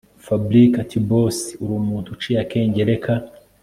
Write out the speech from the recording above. Fabric atiboss uri umuntu uciye akenge reka